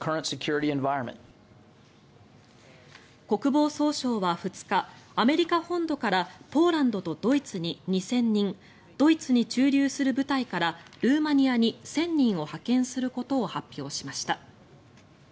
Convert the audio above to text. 国防総省は２日アメリカ本土からポーランドとドイツに２０００人ドイツに駐留する部隊からルーマニアに１０００人を派遣することを発表しました。